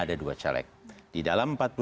ada dua caleg di dalam empat puluh tiga